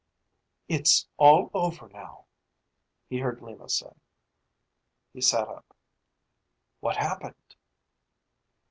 "It's all over now," he heard Lima say. He sat up. "What happened?"